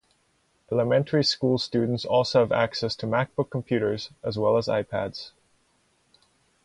Elementary school students also have access to MacBook computers, as well as iPads.